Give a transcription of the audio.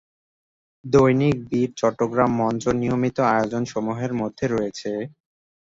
দৈনিক বীর চট্টগ্রাম মঞ্চ নিয়মিত আয়োজন সমূহের মধ্যে রয়েছে-